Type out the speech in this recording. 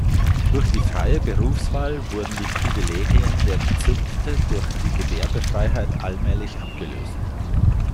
Durch die freie Berufswahl wurden die Privilegien der Zünfte durch die Gewerbefreiheit allmählich abgelöst.